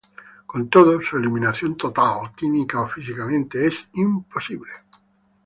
Con todo, su eliminación total química o físicamente es imposible.